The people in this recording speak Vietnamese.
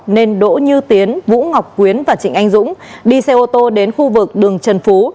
nên đỗ như tiến vũ ngọc quyến và trịnh anh dũng đi xe ô tô đến khu vực đường trần phú